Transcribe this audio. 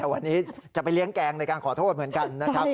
แต่วันนี้จะไปเลี้ยงแกงในการขอโทษเหมือนกันนะครับ